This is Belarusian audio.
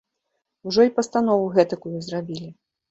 Ужо й пастанову гэтакую зрабілі.